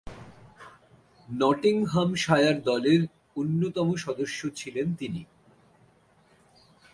Nottinghamshire দলের অন্যতম সদস্য ছিলেন তিনি।